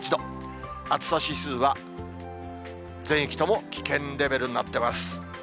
暑さ指数は、全域とも危険レベルになってます。